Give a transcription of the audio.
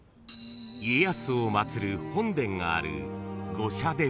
［家康を祭る本殿がある］